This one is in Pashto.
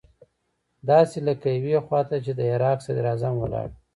داسې لکه يوې خوا ته چې د عراق صدراعظم ولاړ وي.